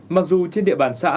mặc dù trên địa bàn xã